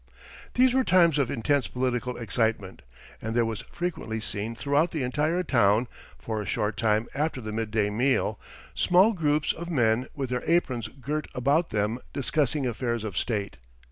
These were times of intense political excitement, and there was frequently seen throughout the entire town, for a short time after the midday meal, small groups of men with their aprons girt about them discussing affairs of state.